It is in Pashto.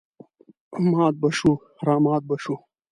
مات به شوو رامات به شوو.